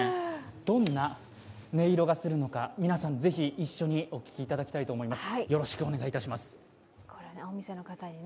どんな音色がするのか皆さんぜひ一緒にお聴きいただきたいと思います。